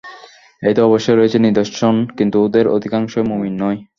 এতে অবশ্যই রয়েছে নিদর্শন, কিন্তু ওদের অধিকাংশই মুমিন নয়।